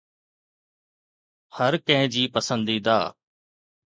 هر ڪنهن جي پسنديده